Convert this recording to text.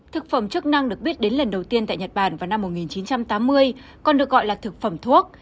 thực phẩm chức năng được biết đến lần đầu tiên tại nhật bản vào năm một nghìn chín trăm tám mươi còn được gọi là thực phẩm thuốc